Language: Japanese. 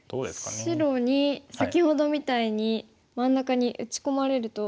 白に先ほどみたいに真ん中に打ち込まれると。